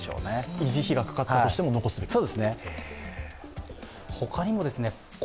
維持費がかかったとしても、残すべきと。